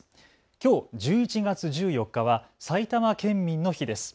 きょう１１月１４日は埼玉県民の日です。